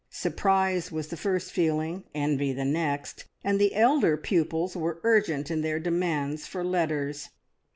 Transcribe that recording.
Surprise was the first feeling, envy the next, and the elder pupils were urgent in their demands for letters.